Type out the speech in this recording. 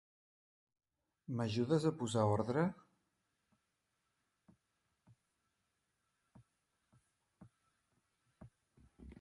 M'ajudes a posar ordre?